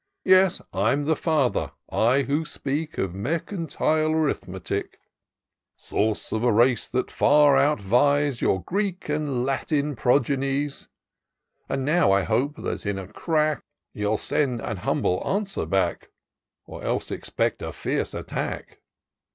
Yes, I'm the father, I who speak. Of mercantile arithmetic ; Source of a race that far outvies Your Greek and Latin progenies :\ 320 TOUR OP DOCTOR SYNTAX And now I hope that in a crack You'll send an humble answer back^ Or else expect a fierce attack.